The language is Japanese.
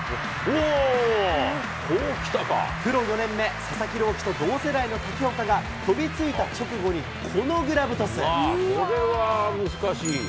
プロ４年目、佐々木朗希と同世代の武岡が、飛びついた直後に、これは難しいよ。